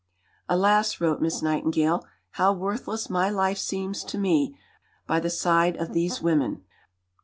"Alas," wrote Miss Nightingale, "how worthless my life seems to me by the side of these women."